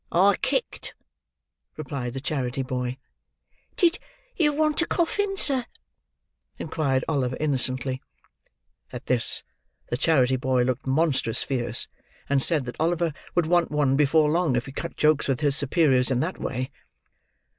"I kicked," replied the charity boy. "Did you want a coffin, sir?" inquired Oliver, innocently. At this, the charity boy looked monstrous fierce; and said that Oliver would want one before long, if he cut jokes with his superiors in that way.